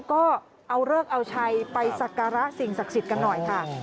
ก็เอาเลิกเอาชัยไปสักการะสิ่งศักดิ์สิทธิ์กันหน่อยค่ะ